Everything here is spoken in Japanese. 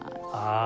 ああ。